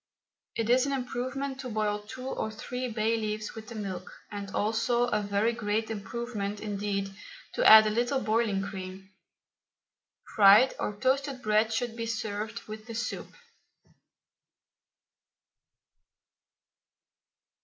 It is an improvement to boil two or three bay leaves with the milk, and also a very great improvement indeed to add a little boiling cream. Fried or toasted bread should be served with the soup.